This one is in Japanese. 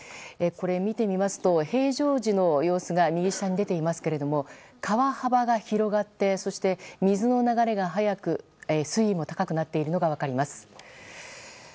見てみますと、平常時の様子が右下に出ていますが川幅が広がってそして、水の流れが速く水位も高くなっているのが分かります。